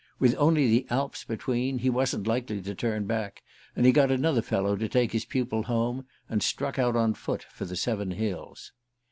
With only the Alps between, he wasn't likely to turn back; and he got another fellow to take his pupil home, and struck out on foot for the seven hills.